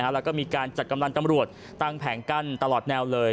แล้วก็มีการจัดกำลังตำรวจตั้งแผงกั้นตลอดแนวเลย